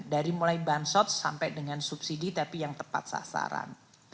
dari mulai bansos sampai dengan subsidi tapi yang tepat sasaran